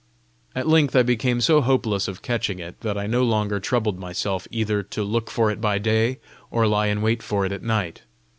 At length I became so hopeless of catching it, that I no longer troubled myself either to look for it by day, or lie in wait for it at night.